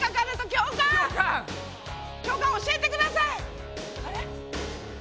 教官教えてください！